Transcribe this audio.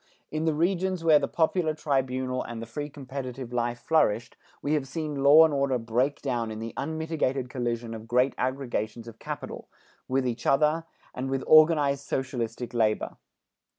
In the regions where the popular tribunal and the free competitive life flourished, we have seen law and order break down in the unmitigated collision of great aggregations of capital, with each other and with organized socialistic labor.